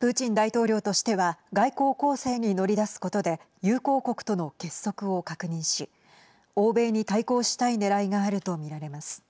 プーチン大統領としては外交攻勢に乗り出すことで友好国との結束を確認し欧米に対抗したいねらいがあると見られます。